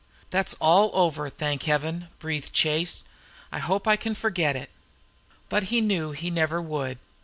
"That's all over, thank Heaven!" breathed Chase. "I hope I can forget it." But he knew he never would.